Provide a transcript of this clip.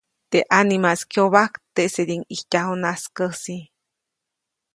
Teʼ ʼanimaʼis kyobajk teʼsediʼuŋ ʼijtyaju najskäsi.